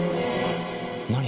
何？